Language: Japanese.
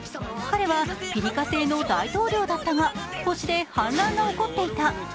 彼はピリカ星の大統領だったが、星で反乱が起こっていた。